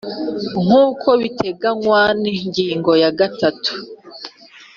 Nk uko biteganywa n ingingo ya gatatu